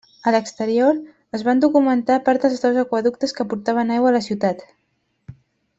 A l'exterior, es van documentar part dels dos aqüeductes que portaven aigua a la ciutat.